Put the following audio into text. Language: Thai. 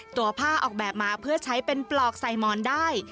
ตัวผ้าออกแบบมาเพื่อใช้เป็นปลอกใส่หมอนได้